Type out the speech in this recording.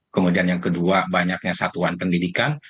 kemudian yang kedua banyaknya satuan pendidikan